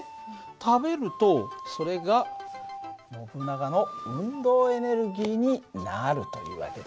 食べるとそれがノブナガの運動エネルギーになるという訳だ。